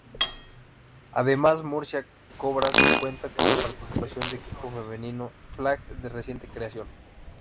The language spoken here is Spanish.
Además Murcia Cobras cuenta con la participación de equipo femenino flag de reciente creación.